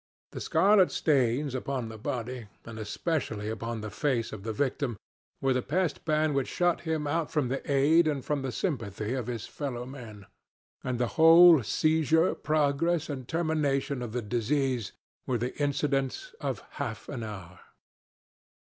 The scarlet stains upon the body and especially upon the face of the victim, were the pest ban which shut him out from the aid and from the sympathy of his fellow men. And the whole seizure, progress and termination of the disease, were the incidents of half an hour.